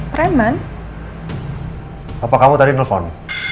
bapak kamu tadi nelfon